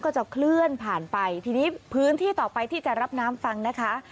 ก็จะเคลื่อนผ่านไปทีนี้พื้นที่ต่อไปที่จะรับน้ำฟังนะคะ